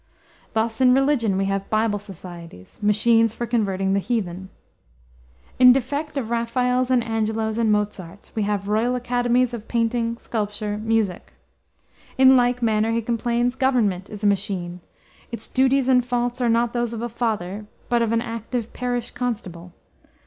Thus, in religion, we have Bible Societies, "machines for converting the heathen." "In defect of Raphaels and Angelos and Mozarts, we have royal academies of painting, sculpture, music." In like manner, he complains, government is a machine. "Its duties and faults are not those of a father, but of an active parish constable."